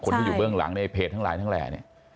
ที่อยู่เบื้องหลังในเพจทั้งหลายทั้งแหล่เนี่ย